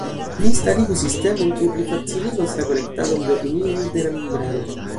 Ni starigu sistemon kiu plifaciligos la kolektadon de opinioj de la membraro.